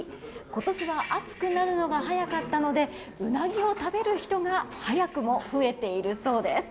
今年は暑くなるのが早かったのでウナギを食べる人が早くも増えているそうです。